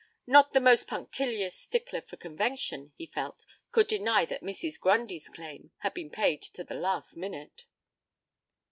Not the most punctilious stickler for convention, he felt, could deny that Mrs. Grundy's claim had been paid to the last minute.